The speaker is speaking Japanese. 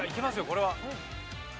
これは。